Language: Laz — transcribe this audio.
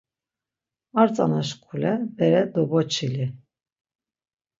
Ar tzanaşkule bere doboçili.